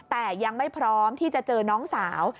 แต่ยังไม่พร้อมที่จะเจอน้องสาว